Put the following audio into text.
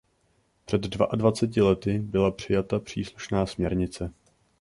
Před dvaadvaceti lety byla přijata příslušná směrnice.